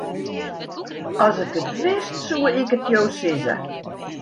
As ik it wist, soe ik it jo sizze.